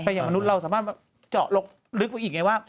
แต่อย่างมนุษย์เราสามารถเจาะลงลึกไปอีกไงว่า